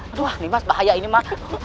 aduh gimas bahaya ini emak